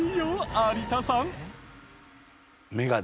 有田さん。